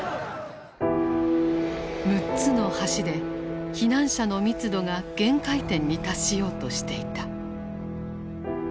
６つの橋で避難者の密度が限界点に達しようとしていた。